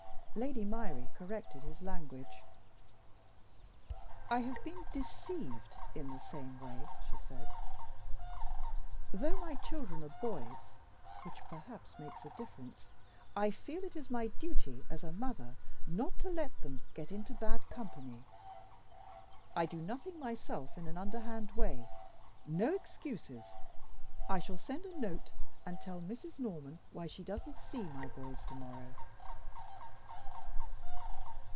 Lady Myrie corrected his language. "I have been deceived in the same way," she said. "Though my children are boys (which perhaps makes a difference) I feel it is my duty as a mother not to let them get into bad company. I do nothing myself in an underhand way. No excuses! I shall send a note and tell Mrs. Norman why she doesn't see my boys to morrow."